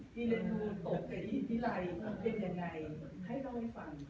พี่เลนด์มูลตกแต่พี่ไลน์เป็นยังไงให้เราให้ฟัง